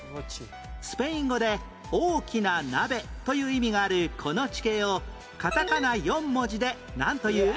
スペイン語で「大きな鍋」という意味があるこの地形をカタカナ４文字でなんという？